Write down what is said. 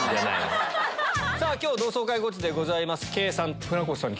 さぁ今日同窓会ゴチでございます。